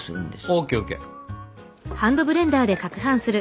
ＯＫＯＫ。